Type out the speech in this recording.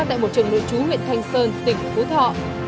tại một trường nội trú huyện thanh sơn tỉnh phú thọ